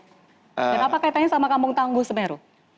dan apa kaitannya sama kampung tangguh semeru